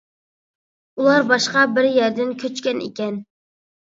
ئۇلار باشقا بىر يەردىن كۆچكەن ئىكەن.